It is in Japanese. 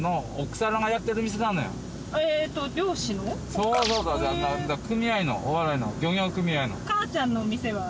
そうそう組合の大洗の漁業組合の。